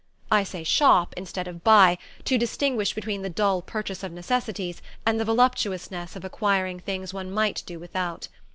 I say "shop" instead of buy, to distinguish between the dull purchase of necessities and the voluptuousness of acquiring things one might do without.